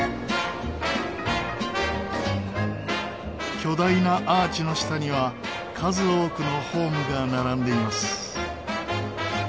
巨大なアーチの下には数多くのホームが並んでいます。